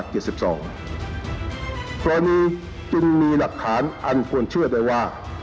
กรณีจึงมีหลักฐานอันควรเชื่อได้ว่า